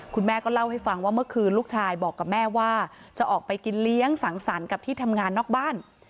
คุณแม่ก็เล่าให้ฟังว่าเมื่อคืนลูกชายบอกกับแม่ว่าจะออกไปกินเลี้ยงสังสรรค์กับที่ทำงานนอกบ้าน